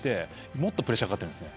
もっとプレッシャーがあるんです。